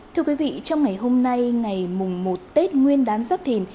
thưa quý vị trong ngày hôm nay ngày mùng một tết nguyên đán giáp thìn